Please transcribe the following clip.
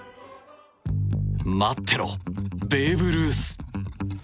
待ってろ、ベーブ・ルース。